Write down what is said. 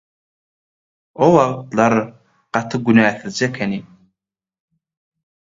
O wagtlar gaty günäsizje ekenim.